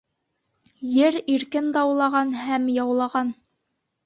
Ер иркен даулаған һәм яулаған.